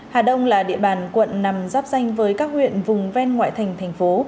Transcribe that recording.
hà đông là địa bàn quận nằm giáp danh với các huyện vùng ven ngoại thành thành phố